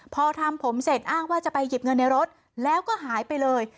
พอทำผมเสร็จอ้างว่าจะไปหยิบเงินในรถแล้วก็หายไปเลย